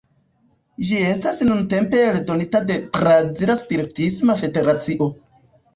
Ĝi estas nuntempe eldonita de la Brazila Spiritisma Federacio.